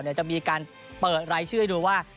ก็จะมีความสนุกของพวกเรา